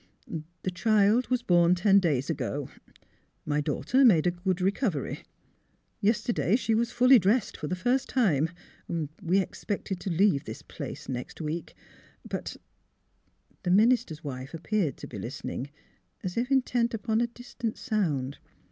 " The child was born ten days ago. My daugh ter made a good recovery. Yesterday she was fully dressed for the first time. We expected to leave this place next week. But " The minister's wife appeared to be listening, as if intent upon a distant sound.